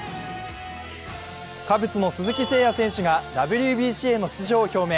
カブスの鈴木誠也選手がＷＢＣへの出場を表明。